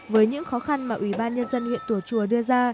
với những khó khăn mà ủy ban nhân dân huyện tùa chùa đưa ra